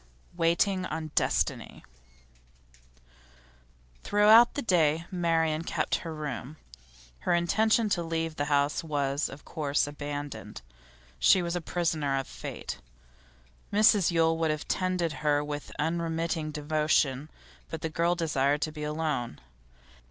WAITING ON DESTINY Throughout the day Marian kept her room. Her intention to leave the house was, of course, abandoned; she was the prisoner of fate. Mrs Yule would have tended her with unremitting devotion, but the girl desired to be alone.